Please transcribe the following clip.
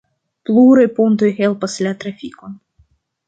Pluraj pontoj helpas la trafikon.